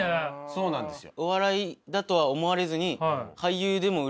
そうなんですよ。